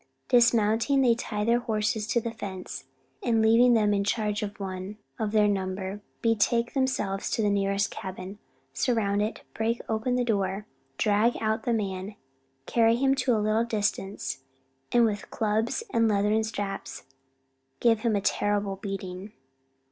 Dismounting, they tie their horses to the fence, and leaving them in charge of one of their number, betake themselves to the nearest cabin, surround it, break open the door, drag out the man, carry him to a little distance, and with clubs and leathern straps, give him a terrible beating.